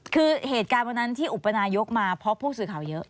คือเหตุการณ์วันนั้นที่อุปนายกมาเพราะผู้สื่อข่าวเยอะ